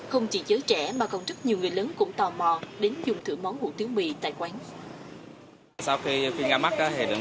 không chỉ giới trẻ mà còn rất nhiều người lớn